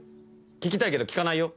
聞きたいけど聞かないよ。